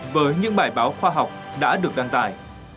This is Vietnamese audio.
với những bài báo khoa học đã được đăng tải